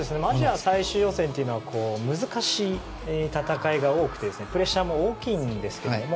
アジア最終予選というのは難しい戦いが多くてプレッシャーも大きいんですが。